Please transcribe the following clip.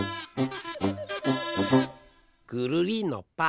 くるりんのぱ！